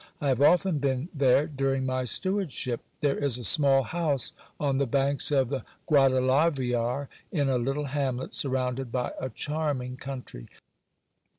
I have often been there during my stewardship. There is a small house on the banks of the Guadalaviar, in a little hamlet, surrounded by a charming country.